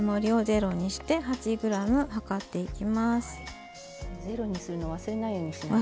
ゼロにするの忘れないようにしないと。